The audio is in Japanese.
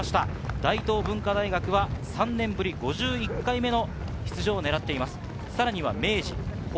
大東文化大学は３年ぶりの出場を狙っています。